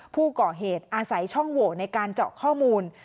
ผู้ก่อเหตุอาศัยช่องโหวในการเจาะข้อมูล